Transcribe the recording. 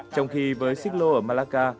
trong khi với xích lô ở malacca